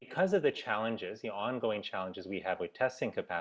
karena percobaan yang berlangsung kita memiliki kemampuan untuk mencoba